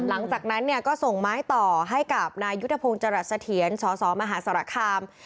หลังจากนั้นเนี่ยก็ส่งไม้ต่อให้กับนายฤษฐพงษ์จรสเถียรช่อ๐มหาศราคาม